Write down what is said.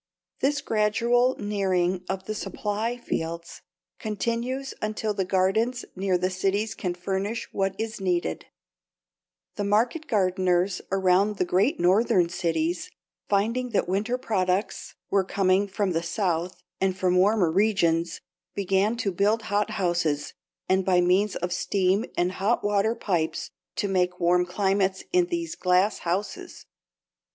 This gradual nearing of the supply fields continues until the gardens near the cities can furnish what is needed. [Illustration: FIG. 82. STRAWBERRY GROWING IS AN ART] The market gardeners around the great Northern cities, finding that winter products were coming from the South and from warmer regions, began to build hothouses and by means of steam and hot water pipes to make warm climates in these glass houses.